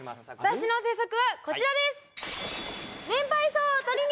私の鉄則はこちらです！